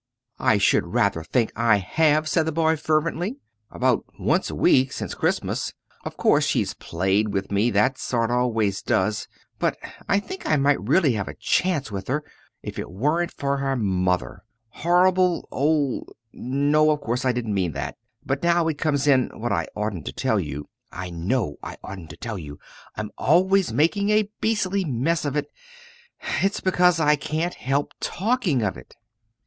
"I should rather think I have!" said the boy, fervently. "About once a week since Christmas. Of course she's played with me that sort always does but I think I might really have a chance with her, if it weren't for her mother horrible old no, of course I don't mean that! But now it comes in what I oughtn't to tell you I know I oughtn't to tell you! I'm always making a beastly mess of it. It's because I can't help talking of it!"